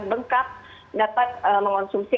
bengkak dapat mengonsumsi